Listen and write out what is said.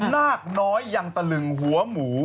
นาคน้อยยังตะลึงหัวหมู